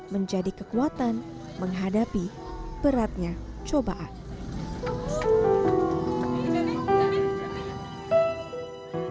menjadi kekuatan menghadapi beratnya cobaan